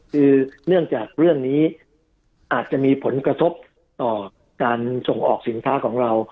คือเนื่องจากเรื่องนี้อาจจะมีผลกระทบต่อการส่งออกสินค้าของเรา